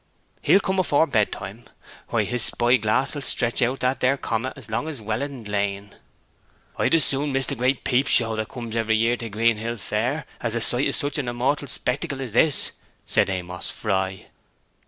He'll come afore bed time. Why, his spy glass will stretch out that there comet as long as Welland Lane!' 'I'd as soon miss the great peep show that comes every year to Greenhill Fair as a sight of such a immortal spectacle as this!' said Amos Fry.